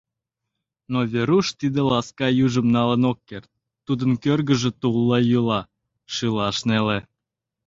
Но Веруш тиде ласка южым налын ок керт, тудын кӧргыжӧ тулла йӱла, шӱлаш неле.